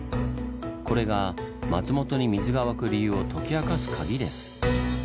これが松本に水が湧く理由を解き明かすカギです。